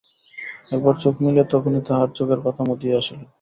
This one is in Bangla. একবার চোখ মেলিয়া তখনই তাহার চোখের পাতা মুদিয়া আসিল।